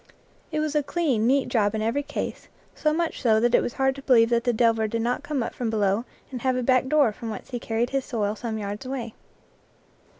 It was a clean, neat job in every case, so much so that it was hard to believe that the delver did not come up from below and have a back door from whence he carried his soil some yards away.